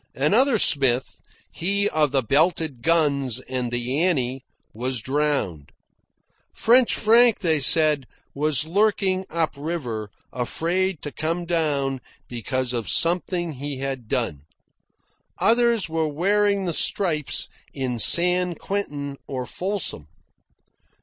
Another Smith, he of the belted guns and the Annie, was drowned. French Frank, they said, was lurking up river, afraid to come down because of something he had done. Others were wearing the stripes in San Quentin or Folsom.